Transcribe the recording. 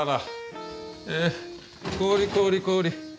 えっ氷氷氷。